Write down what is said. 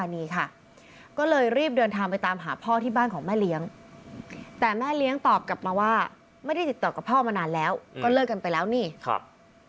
นี่ค่ะก็เลยรีบเดินทางไปตามหาพ่อที่บ้านของแม่เลี้ยงแต่แม่เลี้ยงตอบกลับมาว่าไม่ได้ติดต่อกับพ่อมานานแล้วก็เลิกกันไปแล้วนี่ครับ